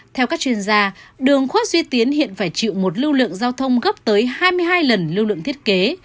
theo các chuyên gia đường khuất duy tiến hiện phải chịu một lưu lượng giao thông gấp tới hai mươi hai lần lưu lượng thiết kế